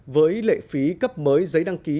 với lệ phí cấp mới giấy đăng ký